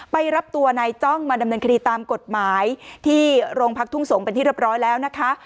ไปรับตัวนายจ้องมาดำเนินคดีตามกฎหมายที่โรงพักทุ่งสงศ์เป็นที่เรียบร้อยแล้วนะคะ